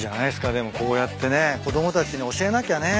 でもこうやってね子供たちに教えなきゃね。